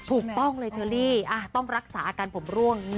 ถูกต้องเลยเชอรี่ต้องรักษาอาการผมร่วง